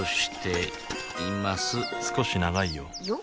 少し長いよよ？